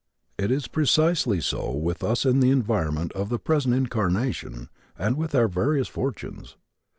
It is precisely so with us in the environment of the present incarnation and with our various fortunes.